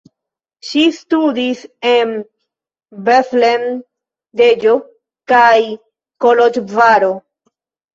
Ŝi studis en Bethlen, Deĵo kaj Koloĵvaro.